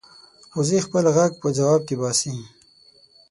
وزې خپل غږ په ځواب کې باسي